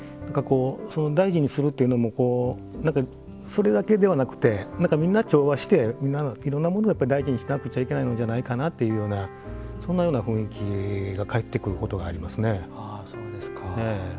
その大事にするっていうのもそれだけではなくてみんな、調和していろんなものを大事にしなくちゃいけないんじゃないかなというそんなような雰囲気が返ってくることがありますね。